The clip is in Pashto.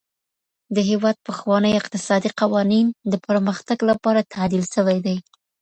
د هيواد پخواني اقتصادي قوانين د پرمختګ لپاره تعديل سوي دي.